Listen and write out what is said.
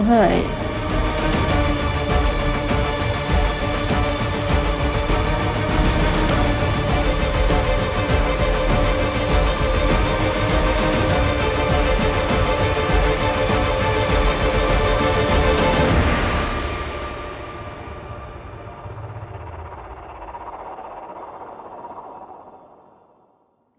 แจ่ง